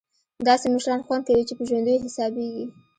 داسې مشران خوند کوي چې په ژوندیو حسابېږي.